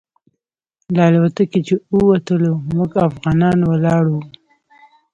له الوتکې چې ووتلو موږ افغانان ولاړ وو.